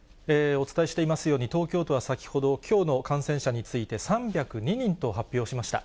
お伝えしていますように、東京都は先ほど、きょうの感染者について、３０２人と発表しました。